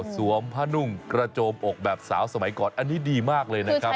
ผ้านุ่งกระโจมอกแบบสาวสมัยก่อนอันนี้ดีมากเลยนะครับ